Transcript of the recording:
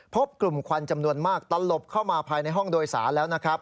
พบกลุ่มควันจำนวนมากตลบเข้ามาภายในห้องโดยสารแล้วนะครับ